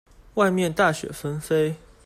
外面大雪紛飛